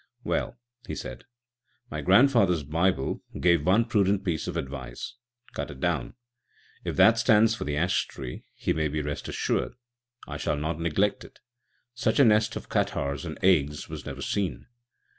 "Well," he said, "my grandfather's Bible gave one prudent piece of advice â€" Cut it down. If that stands for the ash tree, he may rest assured I shall not neglect it. Such a nest of catarrhs and agues was never seen."